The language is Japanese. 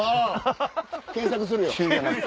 検索するよ。